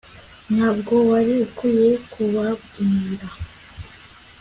ntabwo wari ukwiye kubabwira